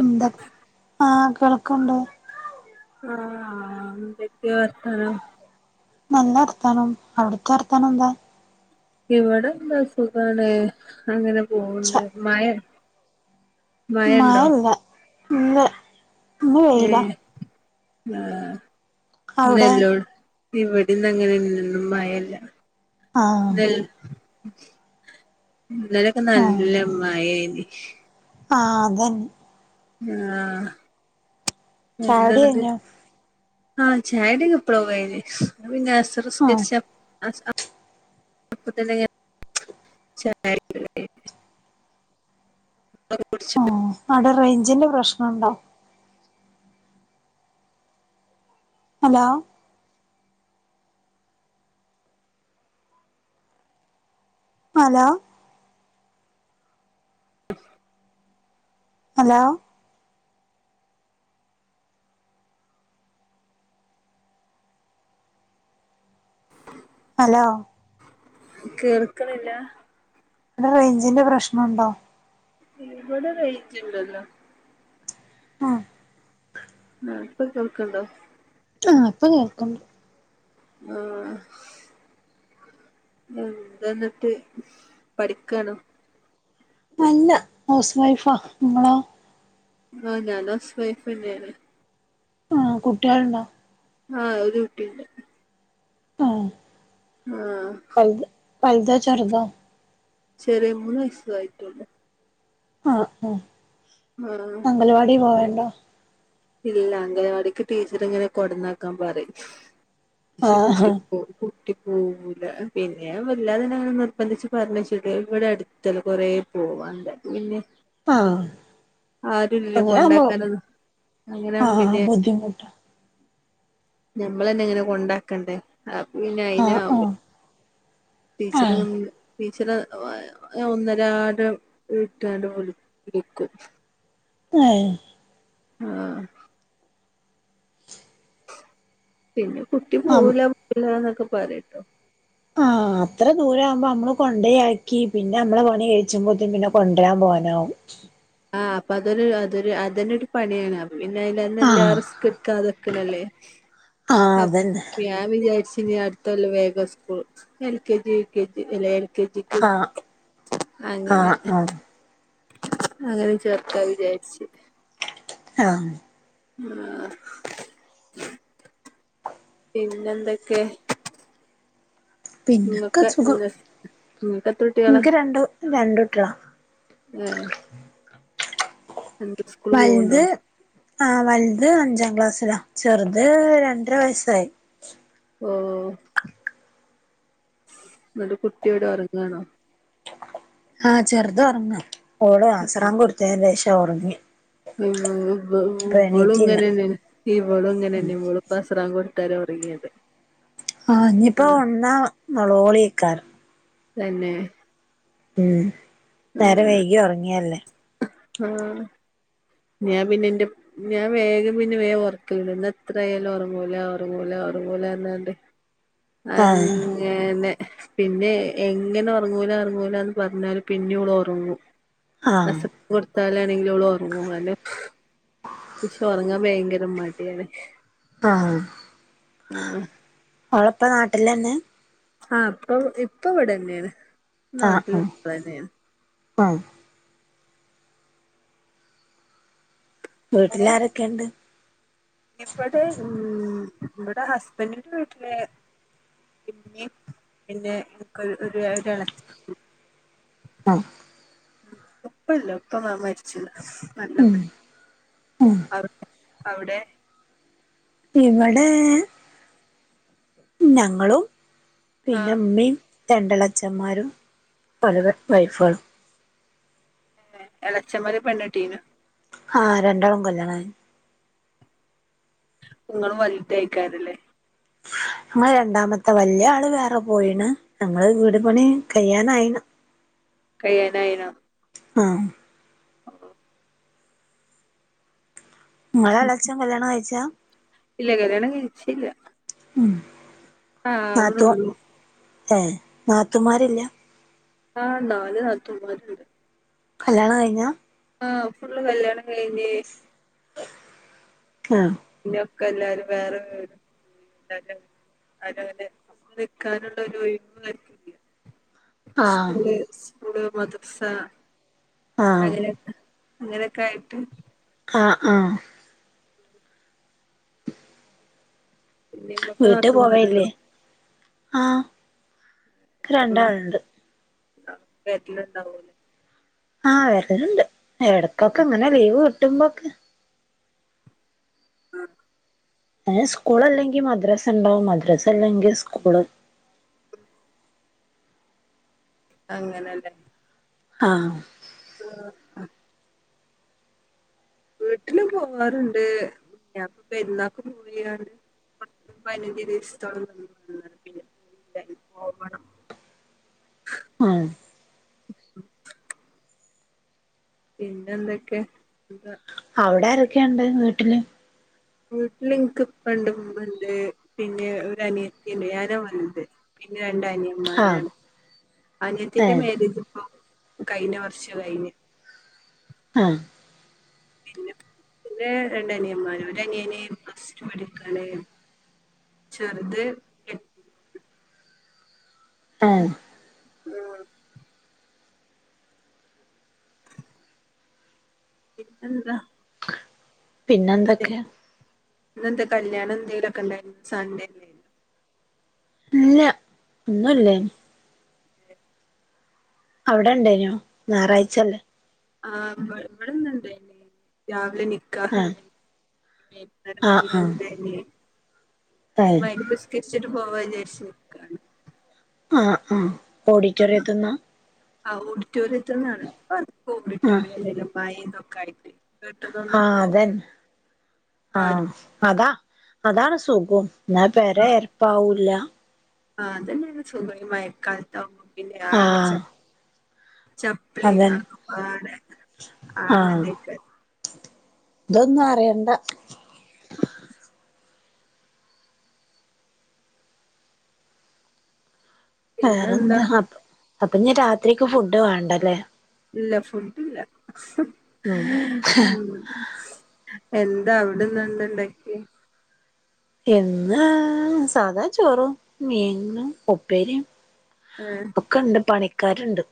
എന്ത ആഹ കേൾക്കണ്ട്. ആഹ് എന്തൊക്ക വർതാനം. നല്ല വർത്താനം അവിടുത്തെ വർത്താനം എന്താ? ഇവിടെ എന്താ സുഖാണ് അങ്ങനെ ച്ച പോവണ്ട് മഴ് മഴല്ല ഇല്ല. ഇന്ന് വെയിലാ ഏഹ ആഹ അവിടെ നെല്ലോൾ. ഇവിടെന്ന് അങ്ങനെ ഇന്നും മയല്ല ആഹ് നൽ ഇന്നലെക്കെ നല്ല മയനി. ആഹ അതന്നെ ആഹ ചായുടി എന്തെന്നട്ട് കഴിഞ്ഞോ ആഹ ചായട കപ്പളോ കഴിഞ്ഞു അസർ ആഹ് നിസ്കരിച്ച [unintelligible] അപ്പല്ല [unintelligible] ചായടിലെല്ലാം കയിഞ്ഞ് കുടിച്ചു അവിടെ റേഞ്ചിന്റെ പ്രശ്നണ്ടോ ഹലോ ഹലോ ഹലോ ഹലോ കേൾക്കുന്നില്ല ഇവിടെ റേഞ്ചിന്റെ പ്രശ്നംണ്ടോ ഇവിടെ റെയ്‌ഞ്ചണ്ടല്ലോ ആഹ് [inaudible] പ്പ കേൾക്ക്ണ്ടോ? ആഹ് പ്പൊ കേൾക്കണ്ട് ആഹ് എന്താന്നിട്ട് പഠിക്കാണോ? അല്ല ഹൗസ് വൈഫാ ങ്ങളോ? ആഹ് ഞാനും ഹൗസ് വൈഫെ ന്നെയാണ്. ആഹ് കുട്ട്യൾണ്ടോ? ആഹ് ഒരു കുട്ടിണ്ട്. ആഹ് ആഹ് വൽത് വൽതോ ചെറ്തോ? ചെറിയ മൂന്ന് വയസു ആയിട്ടുള്ളൂ. ആഹ് ആഹ് ആഹ് അംഗലവാടീ പോവൽണ്ടോ? ഇല്ല അങ്കലവാടിക്ക് ടീച്ചറ് ങ്ങനെ കൊടന്നാക്കാൻ പറയും ശി ആഹ് കുട്ടി പ്പോ കുട്ടി പോവൂല പിന്നെ ഞാൻ വല്ലാതന്നങ്ങന നിർബന്ധിച്ച് പറഞ്ഞെച്ചിട്ട് വ്ടടുത്തല്ല കൊറേ പോവാൻണ്ട്. പിന്നെ ആഹ് ആരൂല്ല അങ്ങനെ ആവുമ്പോ കൊണ്ടാക്കാനൊന്നു. ആഹ് ബുദ്ധിമുട്ട. ഞമ്മളന്നെ ങ്ങനെ കൊണ്ടാക്കണ്ടേ അപ്പ പിന്നെ ആഹ് അയിനാഉ ആഹ് ടീച്ചറ് ആഹ് [inaudible] ടീച്ചറ് ഒ ഒന്നരാടൻ വീട്ടാട് വിൾ വിളിക്കും. ഏഹ് ആഹ് പിന്നെ കുട്ടി അം പോവൂല പോണില്ല ന്നൊക്കെ പറയുട്ടൊ. ആഹ് അത്ര ദൂര ആകുമ്പോ നമ്മള് കൊണ്ടയാക്കി പിന്നെമ്മള പണി കഴിച്ചുമ്പത്തിന് പിന്നെ കൊണ്ടരാൻ പോവാനാവും. ആഹ് അപ്പൊ അതൊരു അതൊരു അതെന്നാരു പണിയാണ്. പിന്നെ അയിലന്നല്ലാ ആഹ് റിസ്കെ ട്ക്കാതക്ക്ണല്ലേ ആഹ് അപ് അതന്നെ [unintelligible] ഞാൻ വിചാരിച്ചിനി അടുത്തൊല്ല വേഗ school L K G U K G അല്ല എൽ കെ ജി. ആഹ് ആഹ് ആഹ്. അങ്ങനെ ചേർക്കാ വിചാരിച്ച്. ആഹ്. [inaudible] പിന്നെന്തൊക്കെ? പിന്നെക്ക നിങ്ങക്ക് സുഖം. നിങ്ങക്ക് എത്ര കുട്ടികളാ എനിക്ക് രണ്ടു രണ്ടുട്ട്യളാ. ങേ സ്കൂള് വൽത് പോവുണ്ടോ ആഹ് വൽത് അഞ്ചാം ക്ലാസ്സിലാ ചെർത് രണ്ടര വയസ്സായി. ഓഹ് ന്നിട്ട് കുട്ടിയെവിടെ ഒറങ്ങാണോ? ആഹ് ചെർതൊർങ്ങ ഓള് അസറാങ്കൊടുത്തേനേഷം ഒർങ്ങി. [unintelligible] വ വളും ങ്ങനെന്നെണ് ഇവളും ങ്ങനെന്നെ വളു പ്പസറാങ്കൊടുത്തേരാ ഒറങ്ങിയത്. ആ ഞ്ഞിപ്പോ ഒൺന്നാ നൊലോളി [unintelligible] തെന്നെ. ഉം നേരം വൈകി ഒർങ്ങിയല്ലേ. ആഹ് ഞാം പിന്നെ ന്റെ ഞാൻ വേഗം പിന്നെ വേഗം ഒർക്കല്ണ്ട് പിന്നെ എത്രയാലും ഒറങ്ങൂലാ ഒറങ്ങൂലാ ഒറങ്ങൂലാർഞ്ങ്ങാണ്ട് ആഹ് അങ്ങനെ. പിന്നെ എങ്ങനെ ഒറങ്ങൂല ഒറങ്ങൂലാന്ന് പർഞ്ഞാലും പിന്നി ഓള ഒറങ്ങും. ആഹ് രസം കൊടുത്താലാണെങ്കിലും ഓള് ഒർങ്ങും [unintelligible] പക്ഷേ ഒറങ്ങാം ഭയങ്കര മടിയാണ്. ആഹ്, ഓളപ്പ നാട്ടിലന്നെ? ആഹ് പ്പൊ ഇപ്പ ഇവടനേണ് ആഹ് നാട്ടില് ആഹ് നിക്ക്ണനേണ്. [unintelligible] വ്ട്ടില് ആരേക്കണ്ട്? ഇബടെ ഉം ഇവടെ ഹസ്ബൻഡിന്റെ വീട്ട്ല് [unintelligible] പിന്നെ കുക്കൾ ഒര് തെള ആഹ്. ഉപ്പല്ല ഉപ്പ മ മര്ച്ച് [unintelligible] നല്ലപ്പ ഉം [unintelligible] അവടെ? ഇവടെ ഞങ്ങളും ആ പിന്നെ മമിം രണ്ടേഎളേച്ഛമ്മാരും [unintelligible] വൈഫ്ആളും. എളേച്ഛൻമ്മാര് പെണ്ണ്ട്ടീനു. ആഹ് രണ്ടാളും കല്യാണം കയ്ഞ്ഞു. ങ്ങളും വൽതെയ്ക്കാരല്ലേ. ന്നമ്മള് രണ്ടാമത്തെ വല്ല്യ ആള് വേറെ പോയിണ് ഞമ്മള വീട് പണി കയ്യാനായിണ്. കയ്യാനായിണോ? ആഹ്. ങ്ങളെ എളേച്ഛം കല്യാണം കയ്ചാ? ഇല്ല്യാ കല്യാണം കയ്ഞ് ചില്ലാ. ഉം, ന്നാത്തൂ ആവണുള്ളൂ ഏഹ് ന്നാത്തൂമാരില്ലാ? ആഹ് ന്നാല് ന്നാത്തൂമാര്ണ്ട്. കല്യാണം കയ്ഞ്ഞാ? ആഹ് ഫുള്ള് കല്യാണം കയ്ഞ്ഞ്. ആഹ്. പിന്നെക്കെ എല്ലാരും വേറെ വീട് [unintelligible] ആരുങ്ങനെ ന്ക്കാനുള്ളരു ഒയ് വ് [unintelligible] ആ സ്കൂള് സ്കൂള് മദർസാ ആ അങ്ങനെ അങ്ങനൊക്ക ആയിട്ട് ആഹ് ആഹ്. പിന്നെ ഇങ്ങക്ക് വീട്ട് പോവലില്ലേ? നാത്തൂന്മാരുണ്ടോ ആഹ് ക്ക് രണ്ടാള്ണ്ട്. ആഹ് വെര്ല്ണ്ടാവൂലെ ആഹ് വര്ല്ണ്ട് എടക്കൊക്കെ ഇങ്ങനെ ലീവ് ക്ട്ടുമ്പോക്കെ. ആഹ്. അയ്ന് സ്കൂള്ല്ലെങ്കി മദ്രസണ്ടാവും മദ്രസല്ലെങ്കി സ്കൂള് അങ്ങനലെ. ആഹ്. [unintelligible] വീട്ടില് പോവാറുണ്ട് ഞാപ്പ പെരുന്നാക്ക് പോയാ ആഹ് പതിനഞ്ചു ദിവസത്തോളം നിന്ന് വന്നാ പിന്നെപോയില്ലാ ഇനി പോവണം ആഹ് പിന്നെന്തെക്കെ സുഖം അവിടാരൊക്കെയൊണ്ട് വീട്ടില് വീട്ടിലിനിക്ക് ഉപ്പണ്ട് ഉമ്മണ്ട് പിന്നേ ഒരനിയത്തിണ്ട് ഞാനാ വലുത് പിന്നെ ആ രണ്ടാനിയന്മാരാണ് ഏ അനിയത്തിന്റെ മേരേജിപ്പോ കഴിഞ്ഞ വർഷ കയിഞ്ഞ് ആഹ് പിന്നെ പിന്നേ രണ്ടനിയമ്മാര് ഒരനിയന് പ്ലസ്ടു പടിക്കാണ് ചെർത് ഏഹ് ഉം പിന്നെന്താ പിന്നെന്തൊക്കാ ഇന്നെന്താ കല്യാണന്തേലൊക്കെ ഉണ്ടായിരുന്നോ സൺഡേ അല്ലായിരുന്നോ ഇല്ല ഒന്നുല്ലേനി അവിടേണ്ടായിനോ ഞാറാഴ്ചല്ലേ ആഹ് ഈവ് ഇവ്ടെന്നണ്ട് രാവിലെ ആ നിക്കാഹ്ണ്ടായിനി നേരത്തെ ആ ആ ഇറങ്ങ്യാലിണ്ടായിനി ഏ [unintelligible] നിസ്കരിച്ചിട്ട് പോവാന്നിചാരിച് നിക്കാണ് ആഹ് ആഹ് ഓഡിറ്റോറിയത്തിന്നാ ആഹ് ഓഡിറ്റോറിയത്തിൽന്നാണ് ആഹ് [unintelligible] ആഹ് അതെന്നെ ആഹ് ആരും അതാ അതാണ് സുഖം ന്നാ പെര എരപ്പാവൂല്ല ആഹ് ഈ മഴകാലത്താവുമ്പംപിന്നെ ആകെ ആഹ് ച ചാപ്ലി അതന്നെ ആകെപ്പാടെ ആകെതായി ആഹ് [unintelligible] ഇതൊന്നും അറിയണ്ട പിന്നെന്താ വേറെന്താ അപ്പൊ അപ്പോനി രാത്രിക്ക് ഫുഡ്‌ വേണ്ടല്ലേ ഇല്ല ഫുഡ് ഇല്ല ഉം ഏഹ് ഉം എന്താ അവിടുന്നെന്താണ്ടാക്കി എന്നാ സാധാ ചോറും മീനും ഉപ്പേരിയും ഏഹ് ഒക്കണ്ട് പണിക്കാര്ണ്ട്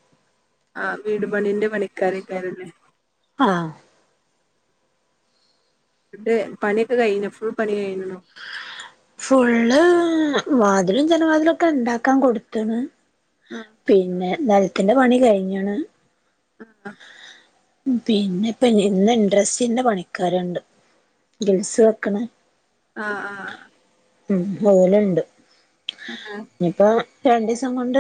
ആഹ് വീട് പണിന്റെ പണിക്കാരയ്ക്കരല്ലേ ആഹ് ന്നിട്ട് പണിയൊക്കെ കഴിഞ്ഞോ ഫുൾ പണികയിഞ്ഞോ ഫുള്ള് വാതിലും ജനവാതിലും ഒക്കെ ണ്ടാക്കാൻ കൊടുത്തുണ് ആഹ് പിന്നെ നെലത്തിന്റെ പണി കഴിഞ്ഞ് ണ് ആഹ് ആഹ് പിന്നെ ഇപ്പ ഇന്ന് ഇൻട്രസ്ന്റെ പണിക്കാര്ണ്ട് ഗ്രിൽസ് വെക്കണ് ആഹ് ആഹ് ആഹ് ഉം ഓല്ണ്ട് ആണല്ലേ ഞ്ഞിപ്പോ രണ്ടീസം കൊണ്ട്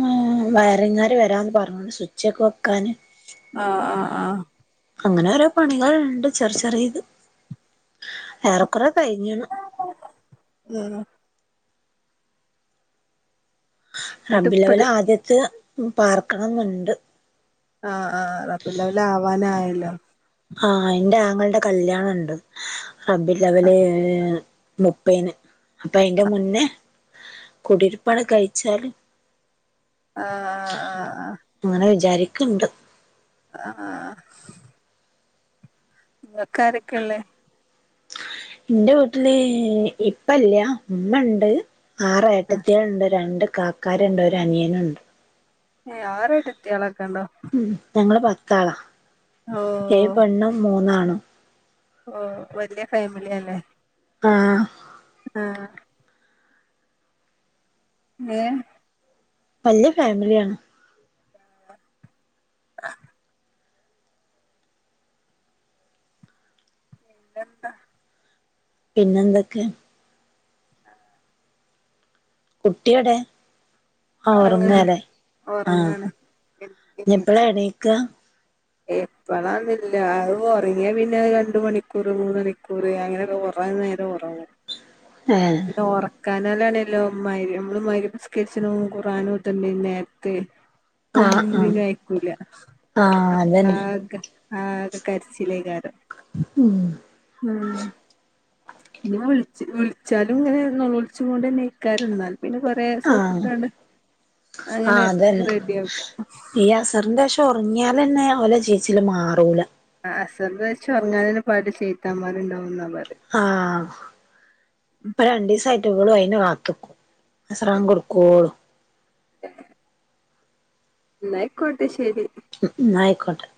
മ് ഏഹ് വയറി ങ്ങാര് വരാന്ന് പർഞ്ഞ് സുച്ചക്കെ വെക്കാന് ആഹ്, ആഹ്, ആഹ് അങ്ങനെ ഓരോ പണികൾണ്ട് ചെർ ചെറീത്. ഏറെക്കൊറെ കഴിഞ്ഞീണ്. ഉം. എന്നിട്ട് റബ്ബില്ല ഇപ്പട് വ്വലാദ്യത്ത് ഉം പാർക്കണംന്ന്ണ്ട്. ആഹ്, ആഹ്, ആഹ് റബ്ബിഉൽ അവ്വലാവാനായല്ലോ ആഹ്, എന്റെ ആങ്ങൾണ്ടെ കല്ല്യാണണ്ട് റബ്ബിയുല്ലവ്വല് ആഹ് മുപ്പെയ്ന്. അപ്പൊ അയ്ന്റെ മുന്നെ കുടിരുപ്പാണ്ട് കയിച്ചാല് ആഹ് ആഹ് ആഹ് ആഹ് ആഹ് അങ്ങനെ വിചാരിക്ക്ണ്ട്. അഹ്, ആഹ് ഇങ്ങക്കാരെക്കെള്ളെ? ഇന്റെ വീട്ടില് ഇപ്പല്ല്യ, ഉമ്മ ണ്ട്. ആറ് ഏട്ടത്ത്യൾണ്ട് രണ്ട് കാക്കാര്ണ്ട് ഒരനിയന്ണ്ട്. ഏഹ്, ആർ എട്ടത്തിയാളക്കണ്ടോ ഉം, ഞങ്ങള് പത്താളാ. ഏഴ് ഓഹ് പെണ്ണും, മൂന്ന് ആണും. ഓഹ്, വല്ല്യ ഫാമിലി അല്ലേ. ആഹ് ആഹ് മേം വല്ല്യ ഫേമിലിയാണ്. ആഹ്, അഹ് എന്താ പിന്നെന്തൊക്കെ? കുട്ടിയൊടെ? ഒറങ്ങാണ് ഒറങ്ങാണ് [unintelligible] ക്കാ എപ്പളാന്നില്ല്യാ അത് ഒറങ്ങിയ പിന്നെ രണ്ട് മണിക്കൂറ് മൂന്ന് മണിക്കൂറ് അങ്ങനെയൊക്കെ [unintelligible] തോനെ നേരം ഒറങ്ങും. ഏഹ് ഓറക്കാനാലാണല്ലോ മഗ് രി അമ്മള് മഗ് രിബ്സ്കരിച്ച്നോ ഖുർആൻ ഓത്തും പിന്നെ ത്ത് ആഹ് ഒന്നിനും ആഹ് പിന്നെ അയക്കൂല. ആഹ് അതന്നെ ആക ആകെ കര്ച്ചിലേയികാരം. ഉം ഉം. പിന്നെ വിൾച്ച് വിൾച്ചാലും ഇങ്ങനെ നൊളോൾച്ചിങ്ങോണ്ടെന്നെയ്ക്കാരം [unintelligible] പിന്നെ കൊറേ ആഹ് സോപ്പ്ട്ടാണ്ട്‌ അങ്ങനെ റെഡി ആക്കും. അസർന്റെ ശേഷം. ഒർങ്ങ്യാലെന്നെ ഓല ചീച്ചില് മാറൂല. ആഹ് അസർൻ്റേഷം ഒർങ്ങാനെന്നെ പാടി ഷെയ്താമ്മാര് ണ്ടാവുംന്നാ പറയാ. ആഹ്. ഇപ്പം രണ്ടീസായിട്ട് വളും അയിന് കാത്ത്ക്കും. അസറാങ്കൊട്ക്കോളും. [unintelligible] എന്നാ ആയിക്കോട്ടെ ശരി ഇന്നാ ആയിക്കോട്ടെ